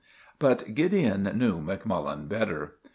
"] But Gideon knew Macmullen better.